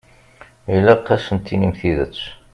Ilaq ad asen-tinim tidet.